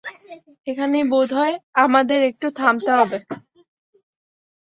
এখানেই বোধ হয় আমাদের একটু থামতে হবে।